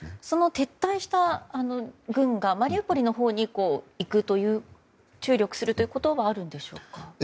その撤退した軍がマリウポリのほうに行くという注力するということはあるんでしょうか？